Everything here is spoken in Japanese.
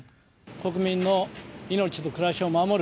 国民の命と暮らしを守る。